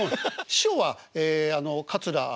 師匠は桂。